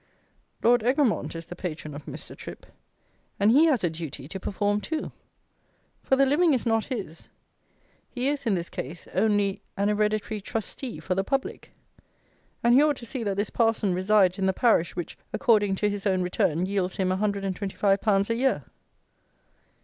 Lord Egremont is the patron of Mr. Tripp; and he has a duty to perform too; for the living is not his: he is, in this case, only an hereditary trustee for the public; and he ought to see that this parson resides in the parish, which, according to his own Return, yields him 125_l._ a year.